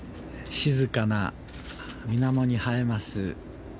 静かな水面に映えます